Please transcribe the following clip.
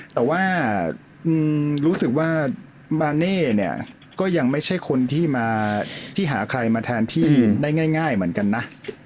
แต่ว่ารู้สึกว่าบาเน่เนี่ยก็ยังไม่ใช่คนที่มาที่หาใครมาแทนที่ได้ง่ายเหมือนกันนะ